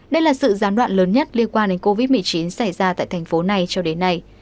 đây là sự gián đoạn lớn nhất liên quan đến covid một mươi chín xảy ra tại thành phố này cho đến nay